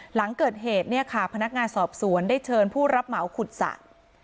หลังเกิดเหตุพนักงานสอบสวนได้เชิญผู้รับเหมาขุดศักดิ์